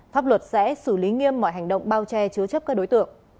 pháp luật sẽ xử lý nghiêm mọi hành động bao che chứa chấp các đối tượng